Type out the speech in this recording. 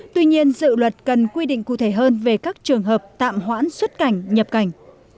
tuy nhiên dự luật cần quy định cụ thể hơn về các trường hợp tạm hoãn xuất cảnh nhập cảnh